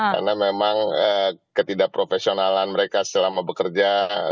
karena memang ketidakprofesionalan mereka selama bekerja